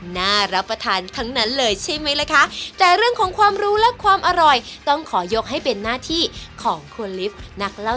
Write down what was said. น่ารับประทานทั้งนั้นเลยใช่ไหมล่ะคะ